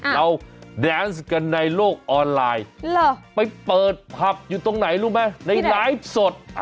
เราแดนส์กันในโลกออนไลน์ไปเปิดผับอยู่ตรงไหนรู้ไหมในไลฟ์สด